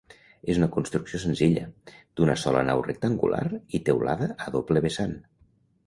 És una construcció senzilla, d'una sola nau rectangular i teulada a doble vessant.